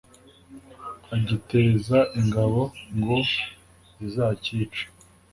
agiteza ingabo ngo zizacyice